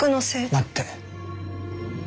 待って。